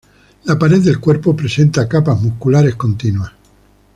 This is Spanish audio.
La pared del cuerpo presenta capas musculares continuas.